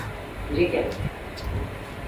Biri geldi.